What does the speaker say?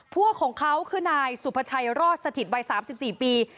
พวกของเขาคือนายสุภาชัยรอดสถิตวัย๓๔ปี